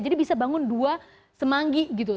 jadi bisa bangun dua semanggi gitu